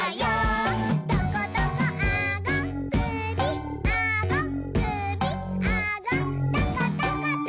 「トコトコあごくびあごくびあごトコトコト」